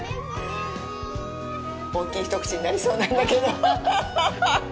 大きい一口になりそうなんだけど、アハハハハ。